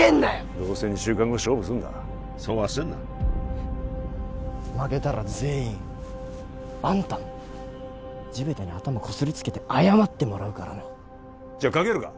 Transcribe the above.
どうせ２週間後勝負するんだそう焦るな負けたら全員あんたも地べたに頭こすりつけて謝ってもらうからなじゃ賭けるか？